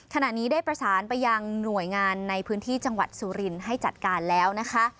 ขณะนี้ได้ประสานไปยังหน่วยงานในพื้นที่จังหวัดสุรินทร์ให้จัดการแล้วนะคะ